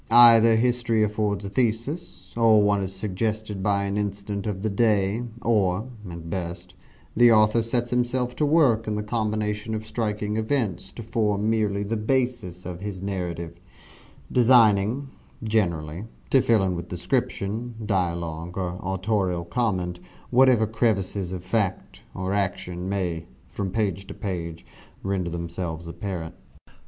Either history affords a thesis or one is suggested by an incident of the day or, at best, the author sets himself to work in the combination of striking events to form merely the basis of his narrative designing, generally, to fill in with description, dialogue, or autorial comment, whatever crevices of fact, or action, may, from page to page, render themselves apparent.